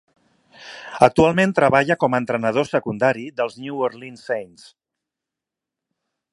Actualment treballa com a entrenador secundari dels New Orleans Saints.